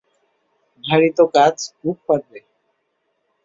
ভারি তো কাজ, খুব পারবে।